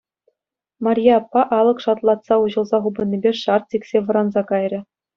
Марье аппа алӑк шалтлатса уҫӑлса хупӑннипе шарт сиксе вӑранса кайрӗ.